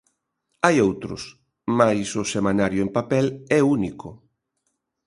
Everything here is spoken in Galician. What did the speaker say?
Hai outros, mais o semanario en papel é único.